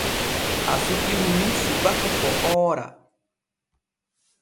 Aso ɓiru nun subaka ko oora.